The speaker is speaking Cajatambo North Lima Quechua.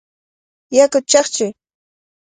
¡Yakuta chaqchuy!